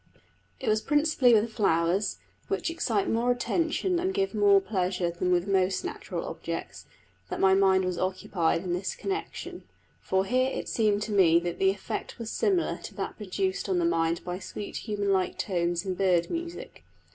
It was principally with flowers, which excite more attention and give more pleasure than most natural objects, that my mind was occupied in this connection; for here it seemed to me that the effect was similar to that produced on the mind by sweet human like tones in bird music.